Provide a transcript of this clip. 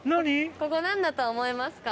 ここ何だと思いますか？